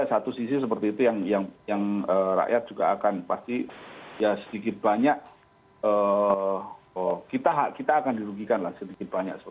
satu sisi seperti itu yang rakyat juga akan pasti ya sedikit banyak kita akan dirugikan lah sedikit banyak